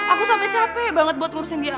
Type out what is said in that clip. aku sampai capek banget buat ngurusin dia